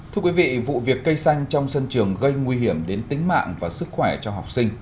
thưa quý vị vụ việc cây xanh trong sân trường gây nguy hiểm đến tính mạng và sức khỏe cho học sinh